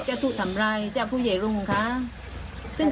ขายที่ดินมรดกได้เงิน๓ล้านจริง